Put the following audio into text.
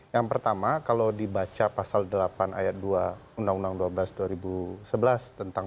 yang pertama kalau dibaca pasal delapan ayat dua undang undang dua belas dua ribu sebelas tentang